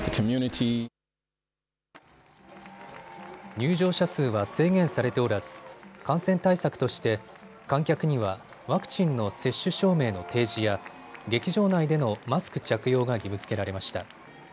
入場者数は制限されておらず感染対策として観客にはワクチンの接種証明の提示や劇場内でのマスク着用が義務づけられました。